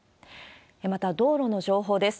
また、道路の情報です。